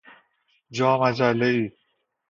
جا مجلهای